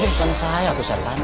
bukan saya tuh setan